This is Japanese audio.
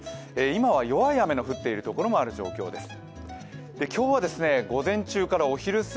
今は弱い雨の降っているところもある状況です。